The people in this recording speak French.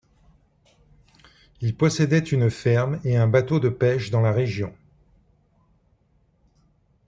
Il possédait une ferme et un bateau de pêche dans la région.